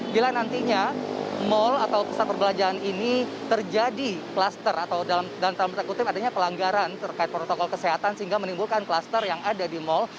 bila nantinya mal atau pusat perbelanjaan ini terjadi klaster atau dalam tanda kutip adanya pelanggaran terkait protokol kesehatan sehingga menimbulkan kluster yang ada di mal